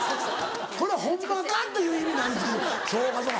これはホンマか？っていう意味なんですそうかそうか。